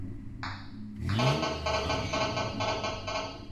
Ni inkoko tuba dushobora korora